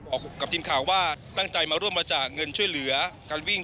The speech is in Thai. กับทีมข่าวว่าตั้งใจมาร่วมบริจาคเงินช่วยเหลือการวิ่ง